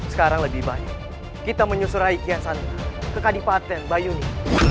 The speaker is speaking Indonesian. sekarang lebih baik kita menyusur rai kiasantang ke kadipaten bayuni